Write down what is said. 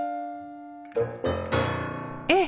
えっ！